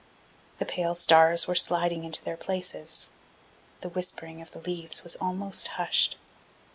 The pale stars were sliding into their places. The whispering of the leaves was almost hushed.